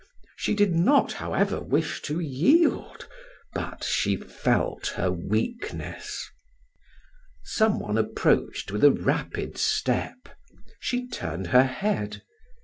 She did not however wish to yield, but she felt her weakness. Some one approached with a rapid step; she turned her head.